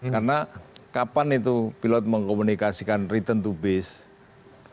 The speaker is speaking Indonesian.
karena kapan pilot mengkomunikasikan return to base